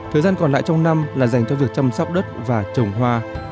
thời gian còn lại trong năm là dành cho việc chăm sóc đất và trồng hoa